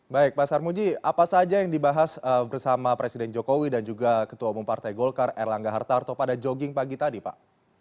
baik pak sarmuji apa saja yang dibahas bersama presiden jokowi dan juga ketua umum partai golkar erlangga hartarto pada jogging pagi tadi pak